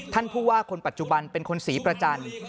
ผู้ว่าคนปัจจุบันเป็นคนศรีประจันทร์